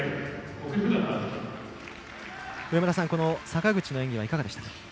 坂口の演技はいかがでしたか？